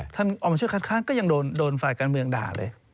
ท่านออมเชื้อคัดค้างก็ยังโดนฝ่ายการเมืองด่าเลย